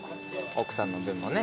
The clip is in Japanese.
奥さんの分もね。